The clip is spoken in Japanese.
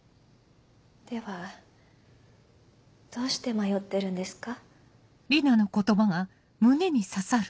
ではどうして迷ってるんですか？